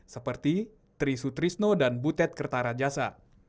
seperti trisut trisno dan butet kertarajasa